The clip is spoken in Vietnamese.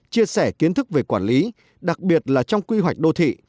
chia sẻ kiến thức về quản lý đặc biệt là trong quy hoạch đô thị